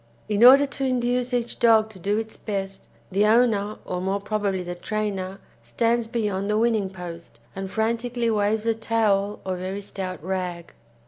In order to induce each dog to do its best, the owner, or more probably the trainer stands beyond the winning post, and frantically waves a towel or very stout rag.